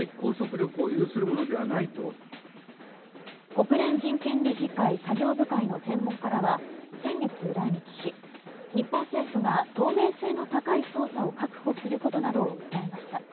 国連人権理事会作業部会の専門家らは先月来日し日本政府が透明性の高い捜査を確保することなどを訴えました。